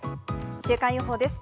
週間予報です。